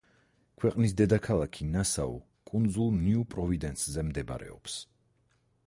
ქვეყნის დედაქალაქი ნასაუ კუნძულ ნიუ-პროვიდენსზე მდებარეობს.